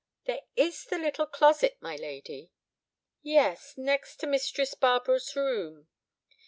"There is the little closet, my lady." "Yes, next to Mistress Barbara's room."